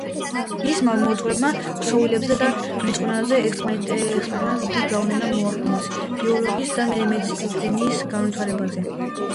მისმა მოძღვრებამ ქსოვილებზე და ბრწყინვალე ექსპერიმენტებმა დიდი გავლენა მოახდინა ბიოლოგიისა და მედიცინის განვითარებაზე.